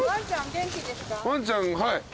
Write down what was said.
ワンちゃんはい。